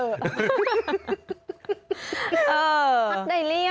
เอ่อพักได้เรียก